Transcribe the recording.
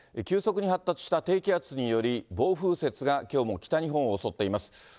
急速に発達した低気圧により、暴風雪がきょうも北日本を襲っています。